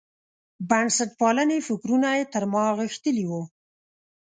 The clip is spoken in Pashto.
بنسټپالنې فکرونه یې تر ما غښتلي وو.